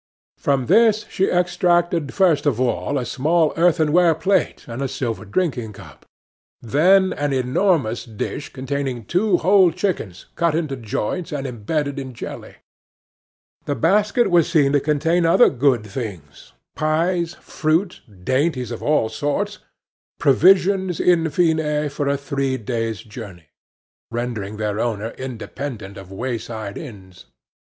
From this she extracted first of all a small earthenware plate and a silver drinking cup, then an enormous dish containing two whole chickens cut into joints and imbedded in jelly. The basket was seen to contain other good things: pies, fruit, dainties of all sorts provisions, in fine, for a three days' journey, rendering their owner independent of wayside inns.